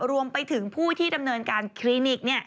รวมไปถึงผู้ที่ดำเนินการคลินิก